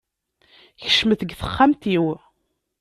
Kecmet deg texxamt-iw.